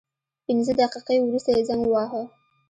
پنځه دقیقې وروسته یې زنګ وواهه.